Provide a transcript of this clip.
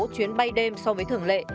chuyến bay đêm so với thưởng lệ